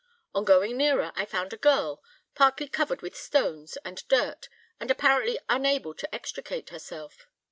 On going nearer, I found a girl, partly covered with stones and dirt, and apparently unable to extricate herself.